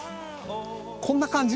こんな感じ？